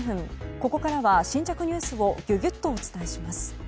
ここからは新着ニュースをギュギュッとお伝えします。